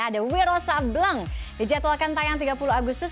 ada wirosa bleng dijatuhkan tayang tiga puluh agustus